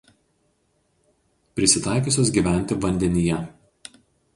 Prisitaikiusios gyventi vandenyje.